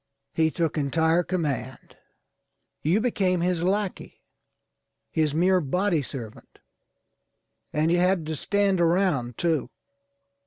He took entire command. You became his lackey, his mere body servant, and you had to stand around too.